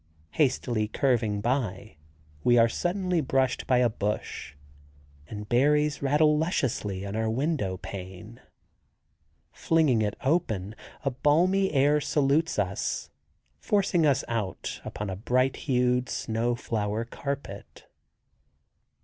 Hastily curving by, we are suddenly brushed by a bush, and berries rattle lusciously on our window pane. Flinging it open a balmy air salutes us, forcing us out upon a bright hued snow flower carpet.